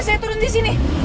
saya turun disini